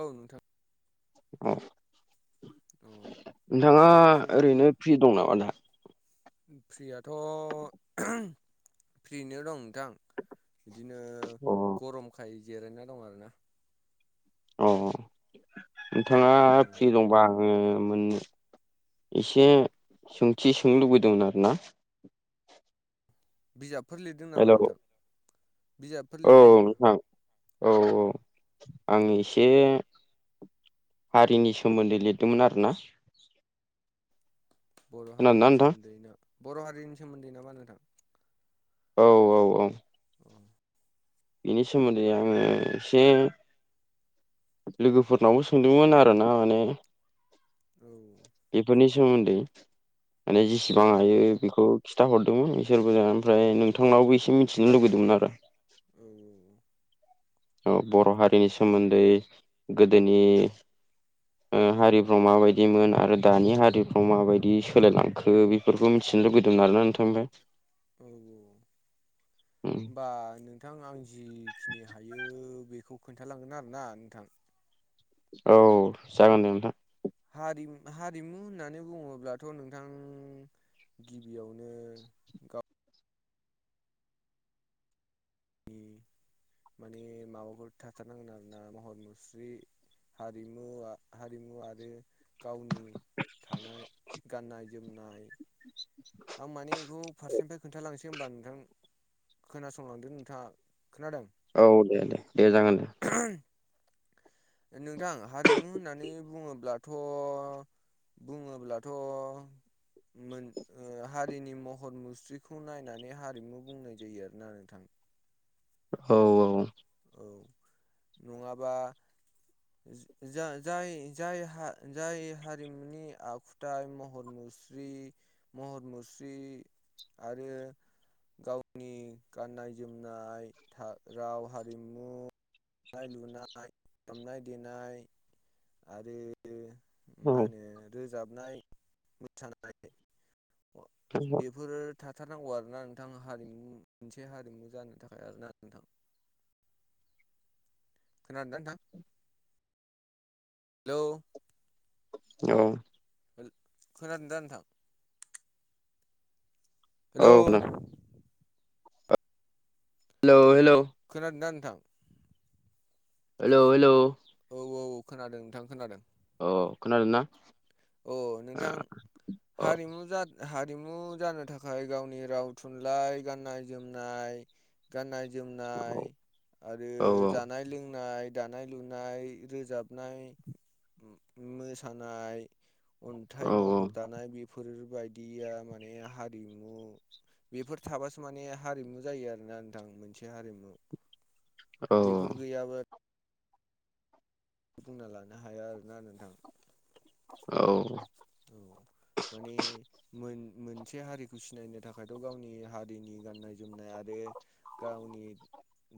औ नोंथां। औ अ नोंथाङा खबर सबर ओरैनो फ्रि दं नामा दा? फ्रिआथ' फ्रियैनो दं नोथां बिदिनो अ गरमखाय जिरायना दं आरो ना। अ नोंथाङा फ्रि दंबा आङो मोन एसे सोंथि सोंनो लुबैदोंमोन आरो ना बिजाबफोर लिरदों। नामा हेल' औ नोंथां बिजाबफोर लिरदों नामा नोंथां औ अ औ आं एसे हारिनि सोमोन्दै लिरदोंमोन आरोना। [inaudible] बर' खोनादोंना हारिनि नोंथां? सोमोन्दैनो बर' हारिनि सोमोन्दै नामा नोंथां? औ औ औ [inaudible] बिनि सोमोन्दै आङो एसे लोगोफोरनावबो सोंदोंमोन आरोना माने औ बेफोरनि सोमोन्दै माने औ जेसेबां हायो बेखौ खिथाहरदोंमोन बिसोरबो ओमफ्राय नोंथांनावबो एसे मिथिनो लुगैदोंमोन आरो औ औ बर' हारिनि सोमोन्दै गोदोनि ओ हारिफ्राव माबायदिमोन आरो दानि हारिफ्राव माबायदि सोलायलांखो बे बेफोरखौ मिथिनो लुबैदोंमोन आरोना नोंथांनिफ्राय औ औ होनोमबा नों नोंथां आं जिखिनि हायो बेखौ खोन्थालांगोन आरोना नोंथां औ जागोन दे नोंथां हारिम हारिमु होननानै बुङोब्लाथ' नोंथां गिबियावनो गावनि माने माबाफोर थाथारनांगोन आरोना महर मुस्रि हारिमु आ हारिमु आरो गावनि थानाय गाननाय जोमनाय आं माने बेखौ फारसेनिफ्राय खोन्थालांसै होमबा नोंथां खोनासंलांदो नोंथाङा खोनादों औ दे दे दे जागोन दे औ नोंथां हारिमु होननानै बुङोब्लाथ' बुङोब्लाथ' मोन ओ हारिनि महर मुस्रिखौ नायनानै हारिमु बुंनाय जायो आरो ना नोंथां औ औ औ औ नङाबा जा जाय जाय जाय हारिमुनि आखु थाइ महर मुस्रि महर मुस्रि आरो गावनि गाननाय जोमनाय था राव हा रिमु दानाय लुनाय दामनाय देनाय आरो मा औ होनो रोजाबनाय मोसानाय खोनादों बेफोरो थाथारनांगौ आरोना नोंथां हारिमु मोनसे हारिमु जानो थाखाय आरोना नोंथां खोनादोंना नोंथां? हेलौ औ खोनादों दा नोंथां? हेलौ! Hello hello! खोनादोंना नोंथां? हेल' हेल'! औ औ खोनादों नोंथां खोनादों। अ खोनादो ना? अ औ नोंथां औ हारिमु जा हारिमु जानो थाखाय गावनि राव, थुनलाइ, गाननाय जोमनाय गाननाय जोमनाय आरो औ जानाय लोंनाय दानाय लुनाय, रोजाबनाय, मो-मो-मोसानाय औ अन्थाइ महर दानाय, बेफोरबायदिया माने हारिमु बेफोर थाबासो माने हारिमु जायो आरोना नोंथां मोनसे हारिमु। औ बेफोर गैयाबा बुंना लानो हाया आरोना नोंथां। औ। औ माने मोन-मोनसे हारिखौ सिनायनो थाखायथ' गावनि हारिनि गाननाय जोमनाय आरो गावनि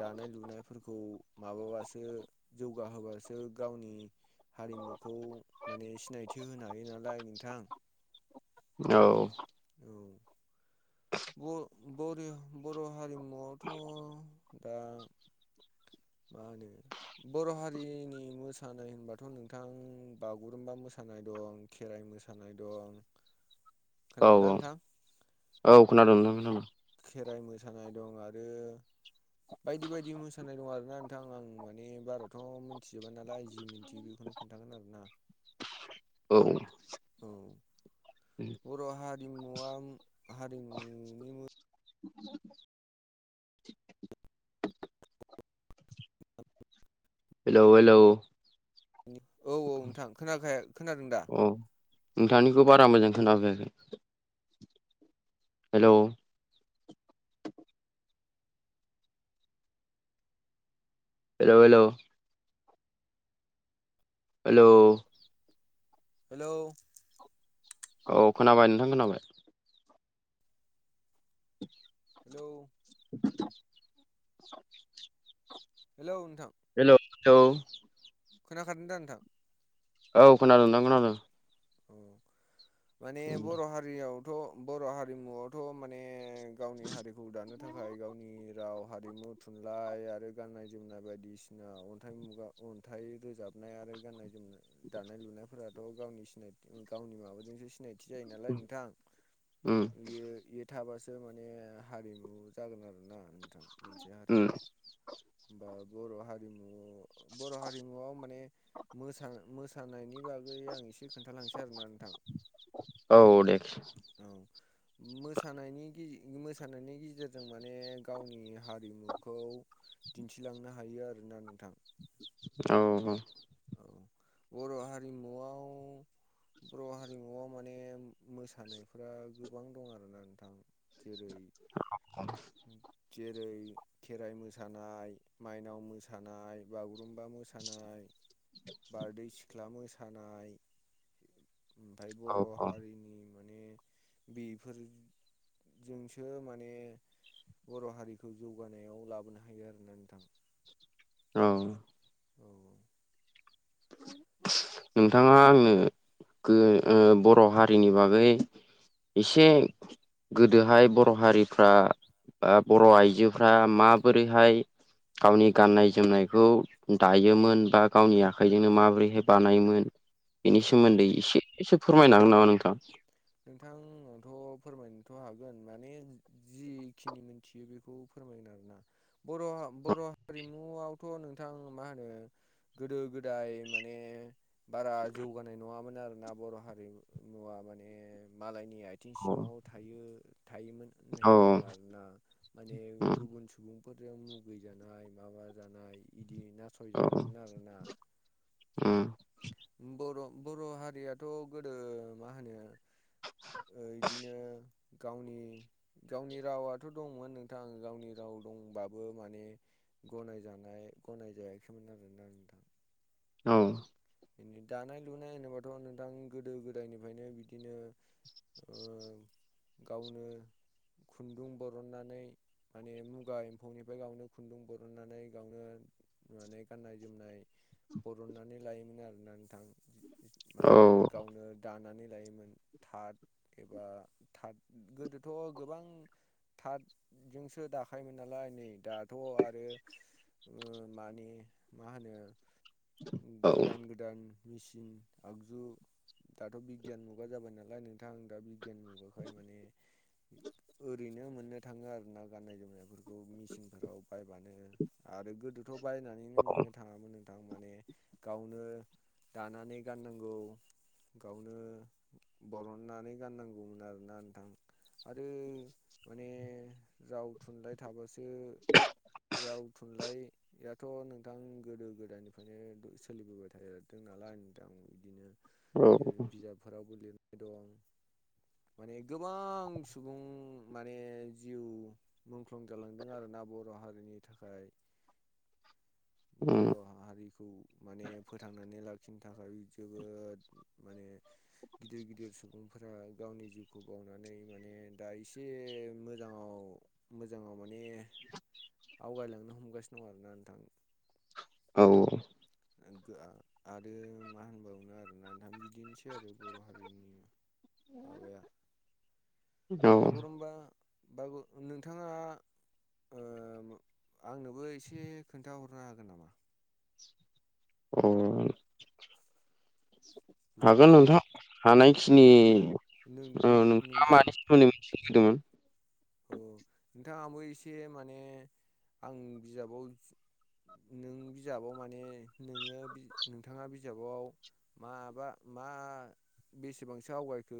दानाय लुनायफोरखौ माबाबासो जौगाहोबासो गावनि हारिमुखौ माने सिनायथि होनो हायो ना लाय नोंथां। औ। औ। बर-बरि-बर' हारिमुवावथ' दा मा होनो बर' हारिनि मोसानाय होनबाथ' नोंथां बागुरुम्बा मोसानाय दं खेराइ मोसानाय दं औ खोनादोंना औ, नोंथां औ खोनादों नोंथां खोनादों। खेराइ मोसानाय दं आरो बायदि बायदि मोसानाय दं आरो। दा नोंथां आं माने बाराथ' मिथिजोबा नालाय जि मिन थियो बेखौनो खोन्थागोन आरोना। औ। औ। उम। बर' हारिमुआव हारिमुनि मो [inaudible] [unintelligible] हेलौ हेलौ! [unintelligible] औ औ नोंथां खोनाखाया खोनादों दा? अ नोंथांनिखौ बारा मोजां खोनाफैयाखै। Hello! Hello hello! Hello! Hello! औ खोनाबाय नोंथां, खोनाबाय। [inaudible] हेलौ [inaudible] हेलौ नोंथां। हेल' हेलौ। खोनाखादों दा नोंथां? औ खोनादों नोंथां खोनादों। ओं माने बर' हारियावथ' बर' हारिमुआवथ' माने गावनि हारिखौ दानो थाखाय गावनि राव हारिमु थुनलाइ आरो गाननाय जोमनाय बायदिसिना अन्थाइ मुगा अन्थाइ रोजाबनाय आरो गाननाय जोमनाय दानाय लुनायफोराथ' गावनि सिनाय गावनि माबाजोंसो सिनायथि जायो नालाय नोंथां। उम बियो थाबासो माने हारिमु जागोन आरोना नोंथां मोनसे उम हारिमु। होमबा बर' हारिमु बर' हारिमुआ माने मोसा मोसानायनि बागै आं एसे खोन्था लांनोसै आरोना नोंथां औ। औ दे मोसानायनि गेजे मोसानायनि गेजेरजों माने गावनि हारिमुखौ दिन्थिलांनो हायो आरोना नोंथां। औ औ। औ बर' हारिमुआव बर' हारिमुआव माने मोसानायफोरा गोबां दं आरोना नोंथां। जेरै जेरै खेराइ मोसानाय माइनाव मोसानाय बागुरुम्बा मोसानाय बारदै सिख्ला मोसानाय ओमफ्राय बर' औ औ हारिनि माने बेफोरजोंसो माने बर' हारिखौ जौगानायाव लाबोनो हायो आरोना नोंथां। ओं। औ औ। नोंथाङा आंनो गो ओ बर' हारिनि बागै इसे गोदोहाय बर' हारिफ्रा आ बर' आइजोफ्रा माबोरैहाय गावनि गाननाय जोमनायखौ दायोमोन बा गावनि आखाइजोंनो माबोरै बेहाय बानायोमोन बेनि औ। सोमोन्दै एसेसो फोरमायनो हागोन नामा नोंथां। नोंथां आंथ फोरमायनोथ' हागोन माने जिखिनि मोनथियो बेखौ फोरमायगोन आरोना। बर' बर' हारिमुआवथ' नोंथां मा होनो गोदो गोदाय माने बारा जौगानाय नङामोन आरोना बर' हारिमुवा माने ने मालायनि आथिं सिङाव औ थायो थायोमोन होननाय खोन्थादों आरोना माने औ गुबुन सुबुं फोरजों मुगै जानाय माबा जानाय इदि ना अ उम बर' बर' हारियाथ' गोदो मा होनो ओ इदिनो गावनि गावनि रावाथ' दंमोन नोंथां गावनि राव दंबाबो माने गनायजानाय गनाय जायाखैमोन आरोना नोंथां। औ दानाय लुनाय होनोबाथ' नोंथां गोदो गोदायनिफ्रायनो बिदिनो ओ गावनो खुन्दुं बरननानै माने मुगा एम्फौनिफ्राय गावनो खुन्दुं बरननानै गावनो माने गाननाय जोमनाय बरननानै लायो। मोन आरोना नोंथां माने गावनो दानानै लायोमोन। थाथ एबा थाथ गोदोथ' गोबां थाथजोंसो दाखायोमोन नालाय नै दाथ' आरो ओ माने मा होनो औ उम गोदान मेचिन आगजु दाथ' बिगियान मुगा जाबाय नालाय नोंथां दा बिगियान मुगाखाय माने ओरैनो मोननो थाङो आरोना गाननाय- जोमनायफोरखौ मेचिनफोराव बायबानो। आरो गोदोथ' बायनानैनो मोननो थाङामोन नोंथां माने गावनो दानानै गाननांगौ गावनो बरननानै गाननांगौमोन आरोना नोंथां। आरो माने राव थुनलाइ थाबासो राव थुनलाइ याथ' नोंथां गोदो गोदायनिफ्रायनो सोलिबोबाय थादों नालाय नोंथां बिदिनो औ लिर बिजाबफोरावबो लिरनाय दं। माने गोबां सुबुं माने जिउ मुंख्लं जालांदों आरोना बर हारिनि थाखाय। बर' हा माहारिखौ माने फोथांनानै लाखिनो थाखाय जोबोद माने गिदिर गिदिर सुबुंफोरा गावनि जिउखौ बावनानै माने दा एसे मोजाङाव मोजाङाव माने आवगायलांनो हमगासिनो दं आरोना नोंथां। औ औ। आंगोआ आरो मा होनबावनो आरोना नोंथां बिदिनोसै आरो बर' हारिनि [inaudible] माबाया बागुरुमबा बागु नोंथाङा ओ आंनोबो एसे खोन्थाहरनो हागोन नामा? अ उम हागोन नोंथां औ हानायखिनि नों औ नों नोंथाङा नोंथां मानि सोमोन्दै मिथिनो लुगैदोंमोन? औ नोंथाङाबो एसे माने आं बिजाबाव नों बिजाबाव माने नोङो नोंथाङा बिजाबाव माबा मा बेसेबांसो आवगायखो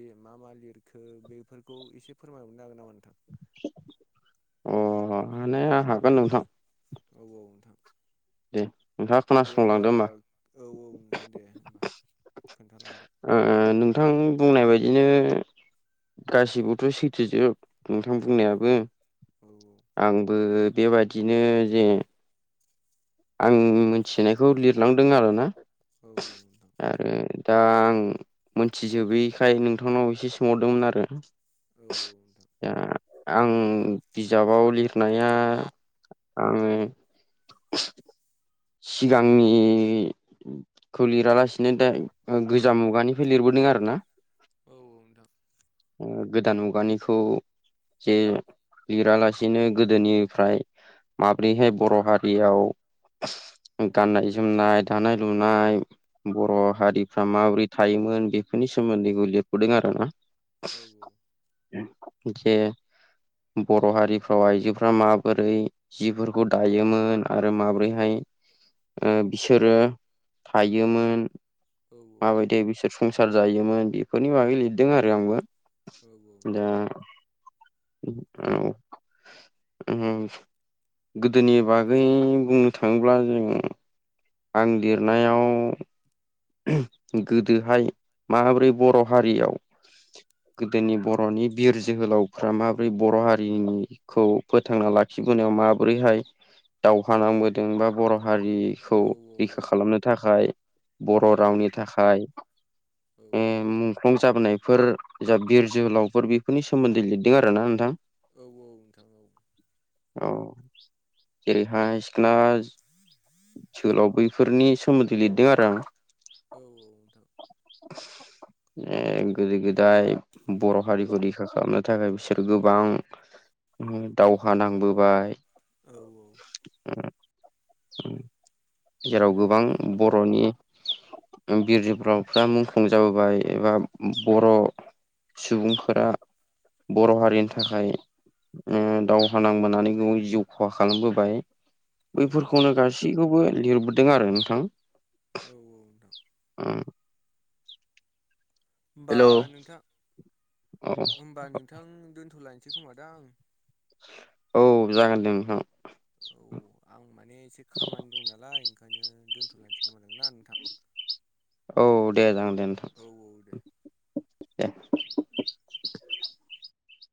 बे मा मा लिरखो बेफोरखौ एसे फोरमाय हरनो हागोन नामा नोथां? अ हानाया हागोन नोंथां। औ औ नोंथां। दे नोंथाङा दे होमबा खोनासंलांदो औ औ नोंथां दे होमबा खोन्थालांदो। ओ ओ नोंथां बुंनाय बायदिनो गासिबोथ' सैथोजोब। नोंथां औ बुंनायाबो। औ औ आंबो बेबादिनो जे आं मिथिनायखौ लिरलांदों आरोना औ औ आरो दा आं मोनथिजोबैखाय नोंथांनाव एसे सोंहरदोंमोन आरो औ औ नोंथां दा आं बिजाबाव लिरनाया आं सिगांनिखौ लिरालासिनो हेलौ दारेग ओ गोजा मुगानिफ्राय लिरबोदों आरो ना औ नोंथां ओ गोदान मुगानिखौ जे लिरालासिनो गोदोनिफ्राय माब्रैहाय बर' हारियाव गाननाय जोमनाय दानाय लुनाय बर' औ हारिफ्रा माबोरै थायोमोन बेफोरनि सोमोन्दैबो लिरबोदों आरो ना औ औ जे बर' हारिफ्राव आइजोफ्रा माबोरै जिफोरखौ दायोमोन आरो माब्रैहाय ओ बिसोरो थायोमोन औ माबायदि बिसोर संसार जायोमोन बेफोरनि बागै लिरदों आरो आंबो दा नोंथां औ ओम गोदोनि बागै बुंनो थाङोब्ला जों आं लिरनायाव गोदोहाय माबोरै बर' हारियाव गोदोनि बर'नि बिर जोहोलावफ्रा माब्रै बर' हारिनि खौ फोथांना लाखिबोनायाव माबोरैहाय दावहा नांबोदों बा बर' हारि खौ औ नोंथां औ औ नोंथां औ रैखा खालामनो थाखाय बर' रावनि थाखाय औ ओ मुंख्लं जाबोनायफोर जा बिर जोहोलावफोर बेफोरनि सोमोन्दै लिरदों आरो ना नोंथां। औ औ नोंथां औ औ जेरैहाय सिखोना जोहोलाव बै फोरनि सोमोन्दै लिरदों आरो आं औ औ नोंथां [inaudible] ए गोदो गोदाय बर' हारिखौ रैखा खालामनो थाखाय बिसोर गोबां ओम दावहा नांबोबाय औ औ ओ ओ‌ं जेराव आरो गोबां नोंथां बर'नि ओ बिर जो बावफ्रा मुंख्लं जाबोबाय एबा बर' सुबुंफोरा बर' हारिनि थाखाय ओ दावहा नांबोनानै गोबां जिउ खहा खालामबोबाय औ बैफोरखौनो गासैखौबो लिरबोदों आरो नोंथां। औ औ ओं ओमबा हेलौ नोंथां औ होमबा नोंथां दोनथलायनिसै खोमा दां औ जागोन दे नोंथां। औ आं माने एसे खामानि दं नालाय ओंखायनो दोन्थलायनोसै खोमानों ना नोंथां। औ दे जागोन दे नोंथां। औ औ दे। दे